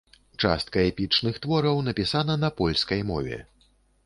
Частка эпічных твораў напісана на польскай мове.